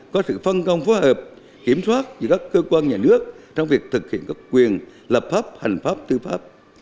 có sự phân công phối hợp kiểm soát giữa các cơ quan nhà nước trong việc thực hiện các quyền lập pháp hành pháp tư pháp